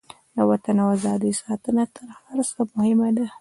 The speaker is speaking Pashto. د وطن او ازادۍ ساتنه تر هر څه مهمه ده.